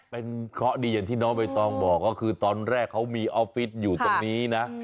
เป็นเคราะห์ดีอย่างที่น้องใบตองบอกก็คือตอนแรกเขามีออฟฟิศอยู่ตรงนี้นะ